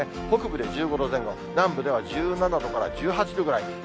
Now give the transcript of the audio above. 北部で１５度前後、南部では１７度から１８度ぐらい。